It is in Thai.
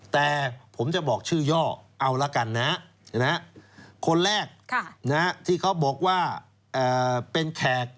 แต่ผมจะบอกชื่อย่อเอาละกันนะคนแรกที่เขาบอกว่าเป็นแขก